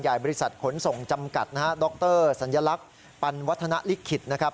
บริษัทขนส่งจำกัดนะฮะดรสัญลักษณ์ปันวัฒนลิขิตนะครับ